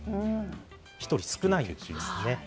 １人、少ないんですね。